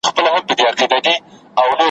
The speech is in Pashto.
جومات بل قبله بدله مُلا بله ژبه وايي ,